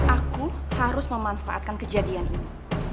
aku harus memanfaatkan kejadian ini